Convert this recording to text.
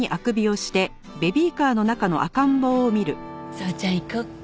宗ちゃん行こうか。